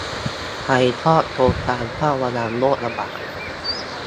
ใครชอบโครงการเฝ้าระวังโรคระบาด